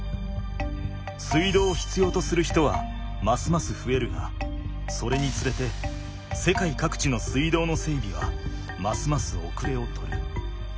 水道を必要とする人はますます増えるがそれにつれて世界各地の水道の整備はますますおくれを取る。